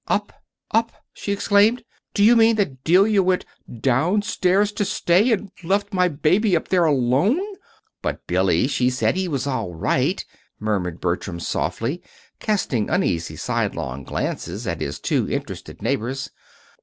"Up! Up!" she exclaimed. "Do you mean that Delia went down stairs to stay, and left my baby up there alone?" "But, Billy, she said he was all right," murmured Bertram, softly, casting uneasy sidelong glances at his too interested neighbors.